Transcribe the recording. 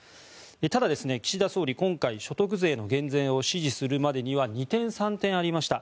ただ、岸田総理は今回所得税の減税を指示するまでには二転三転ありました。